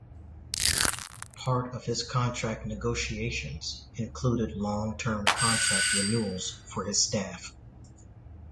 Part of his contract negotiations included long-term contract renewals for his staff.